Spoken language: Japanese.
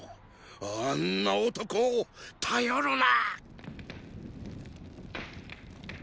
あんな男を頼るな！